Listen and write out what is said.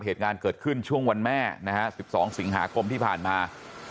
เหตุการณ์เกิดขึ้นช่วงวันแม่นะฮะ๑๒สิงหาคมที่ผ่านมา